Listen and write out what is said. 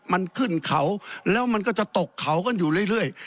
มันขึ้นเขาแล้วมันก็จะตกเขากันอยู่เรื่อย